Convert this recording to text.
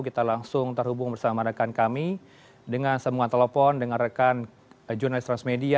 kita langsung terhubung bersama rekan kami dengan sambungan telepon dengan rekan jurnalis transmedia